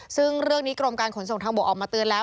ซึ่งเรื่องนี้กรมการขนส่งทางบกออกมาเตือนแล้ว